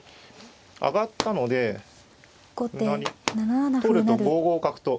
上がったので歩成り取ると５五角と。